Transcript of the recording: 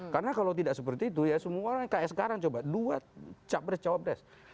karena kalau tidak seperti itu ya semua orang kayak sekarang coba dua capres capres